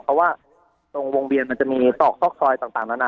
เพราะว่าตรงวงเวียนมันจะมีตอกซอกซอยต่างนั้น